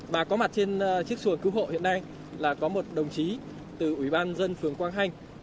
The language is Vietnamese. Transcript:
bà có mặt trên chiếc xuồi cứu hộ hiện nay là có một đồng chí từ ủy ban dân phường quang hanh